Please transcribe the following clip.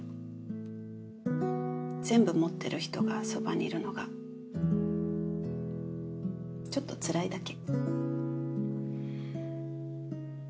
全部持ってる人がそばにいるのがちょっとつらいだけ。